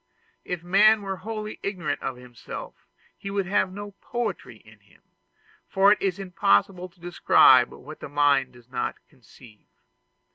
If man were wholly ignorant of himself, he would have no poetry in him; for it is impossible to describe what the mind does not conceive.